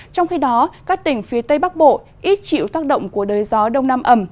trong khi đó các tỉnh phía tây bắc bộ ít chịu tác động của đới gió đông nam ẩm